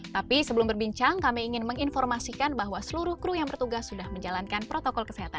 tapi sebelum berbincang kami ingin menginformasikan bahwa seluruh kru yang bertugas sudah menjalankan protokol kesehatan